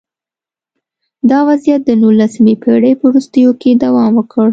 دا وضعیت د نولسمې پېړۍ په وروستیو کې دوام وکړ